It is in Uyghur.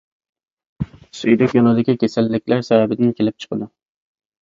سۈيدۈك يولىدىكى كېسەللىكلەر سەۋەبىدىن كېلىپ چىقىدۇ.